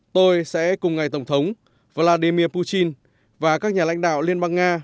tôi sẽ cùng ngày tổng thống vladimir putin và các nhà lãnh đạo liên bang nga